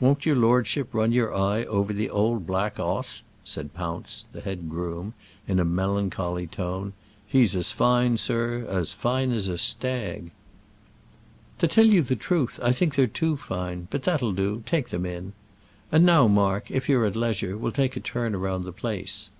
"Won't your lordship run your eye over the old black 'oss?" said Pounce, the head groom, in a melancholy tone; "he's as fine, sir as fine as a stag." "To tell you the truth, I think they're too fine; but that'll do; take them in. And now, Mark, if you're at leisure, we'll take a turn round the place."